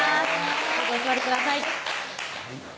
どうぞお座りください